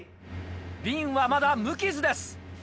瓶はまだ無傷です。